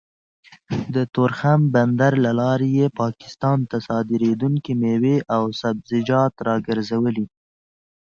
د تورخم بندر له لارې يې پاکستان ته صادرېدونکې مېوې او سبزيجات راګرځولي